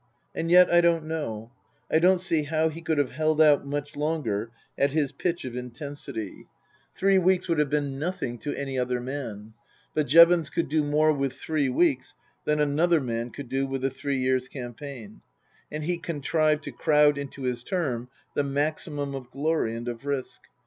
And yet, I don't know. I don't see how he could have held out much longer at his pitch of intensity. Three 302 Tasker Jevons weeks would have been nothing to any other man. But Jevons could do more with three weeks than another man could do with a three years' campaign, and he contrived to crowd into his term the maximum of glory and of risk.